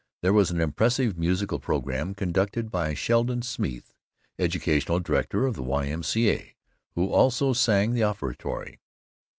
There was an impressive musical program, conducted by Sheldon Smeeth, educational director of the Y.M.C.A., who also sang the offertory.